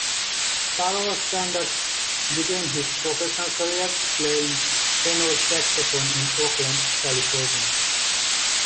Pharoah Sanders began his professional career playing tenor saxophone in Oakland, California.